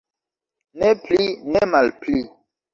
Ne pli, ne malpli.